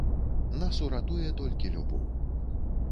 Нас уратуе толькі любоў.